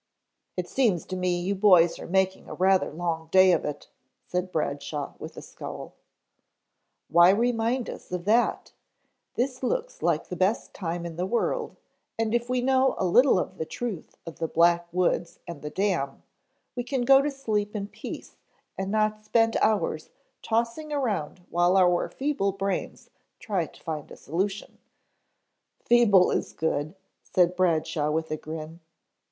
"It seems to me you boys are making a rather long day of it," said Bradshaw with a scowl. "Why remind us of that? This looks like the best time in the world, and if we know a little of the truth of the Black Woods and the Dam, we can go to sleep in peace and not spend hours tossing around while our feeble brains try to find a solution " "Feeble is good," said Bradshaw with a grin.